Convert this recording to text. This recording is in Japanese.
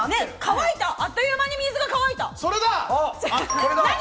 あっという間に水が乾いた。